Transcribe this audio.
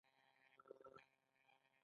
ملاریا د کوم شي له امله پیدا کیږي